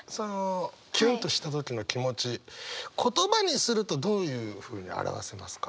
キュンとした時の気持ち言葉にするとどういうふうに表せますか？